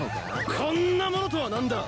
こんなものとは何だ！